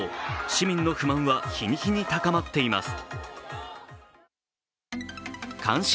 市民の不満は日に日に高まっています。